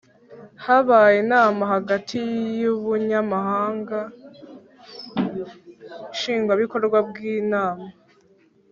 Habaye inama hagati y Ubunyamabanga Nshingwabikorwa bw Inama